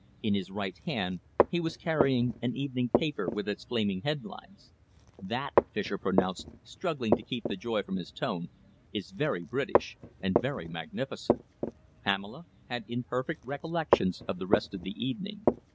In his right hand he was carrying an evening paper with its flaming headlines. "That," Fischer pronounced, struggling to keep the joy from his tone, "is very British and very magnificent!" Pamela had imperfect recollections of the rest of the evening.